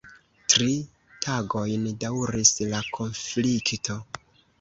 Tri tagojn daŭris la konflikto.